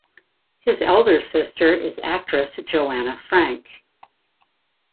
His elder sister is actress Joanna Frank.